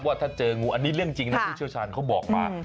ว่าเจองูอันนี้เรื่องจริงผู้เชื้อชาญก็บอกมา